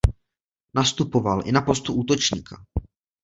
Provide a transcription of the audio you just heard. Nastupoval i na postu útočníka.